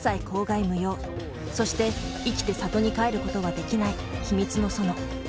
そして生きて郷に帰ることはできない秘密の園。